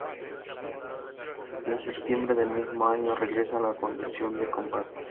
En Setiembre del mismo año regresa a la conducción de Combate.